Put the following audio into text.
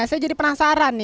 saya jadi penasaran